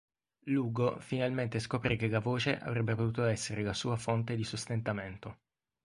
Lugo finalmente scoprì che la voce avrebbe potuto essere la sua fonte di sostentamento.